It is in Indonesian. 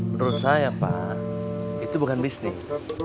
menurut saya pak itu bukan bisnis